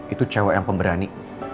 itu cewek yang pemberani